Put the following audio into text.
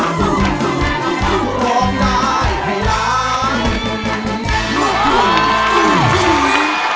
ลูกหลุมสุดช่วย